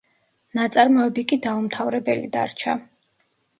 ნაწარმოები კი დაუმთავრებელი დარჩა.